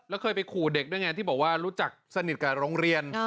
แล้วเคยไปขู่เด็กด้วยไงที่บอกว่ารู้จักสนิทกับโรงเรียน